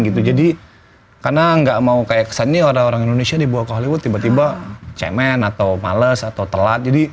karena gak mau kayak kesannya orang indonesia dibawa ke hollywood tiba tiba cemen atau males atau telat